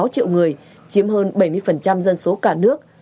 bảy mươi sáu triệu người chiếm hơn bảy mươi dân số cả nước